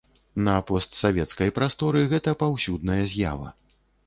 На постсавецкай прасторы гэта паўсюдная з'ява.